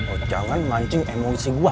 oh jangan mancing emosi gue